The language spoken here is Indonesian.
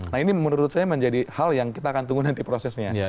nah ini menurut saya menjadi hal yang kita akan tunggu nanti prosesnya